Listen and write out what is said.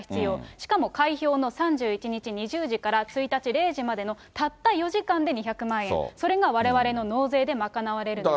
しかも、開票の３１日２０時から１日０時までのたった４時間で２００万円、それが、われわれの納税で賄われるのですと。